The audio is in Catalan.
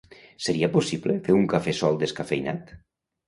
Seria possible fer un cafè sol descafeïnat?